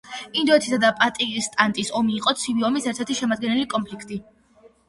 ინდოეთისა და პაკისტანის ომი იყო ცივი ომის ერთ-ერთი შემადგენელი კონფლიქტი.